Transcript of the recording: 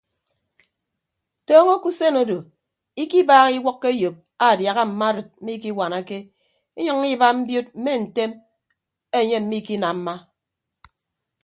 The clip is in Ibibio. Tọọñọ ke usen odo ikibaaha iwʌkkọ eyop aadiaha mma arịd mmikiwanake inyʌññọ iba mbiod mme ntem enye mmikinamma.